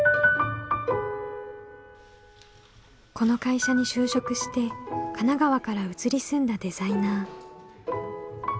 この会社に就職して神奈川から移り住んだデザイナー。